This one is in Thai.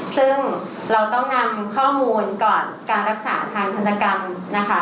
ซึ่งเราต้องนำข้อมูลก่อนการรักษาทางธนกรรมนะคะ